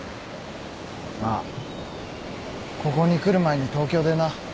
ああここに来る前に東京でな。